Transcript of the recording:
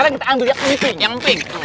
sekarang kita ambil yang emping